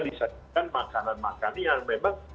disajikan makanan makanan yang memang